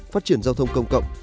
phát triển giao thông công cộng